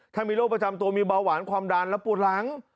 ถ้ามีโรคประจำตัวมีเบาหวานความดันและปวดหลัง